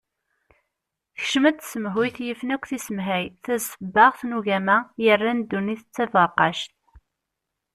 Tekcem-d tsemhuyt yifen akk tisemhay, tasebbaɣt n ugama yerran ddunit d taberqact.